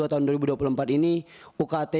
tahun dua ribu dua puluh empat ini ukt